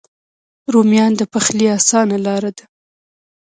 رومیان د پخلي آسانه لاره ده